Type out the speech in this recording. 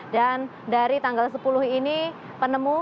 dan dari tanggal sepuluh ini penemu